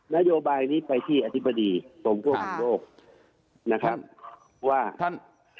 นโยบายนี้ไปที่อธิบดีตรงทั่วข้างโลก